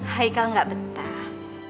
haikal gak betah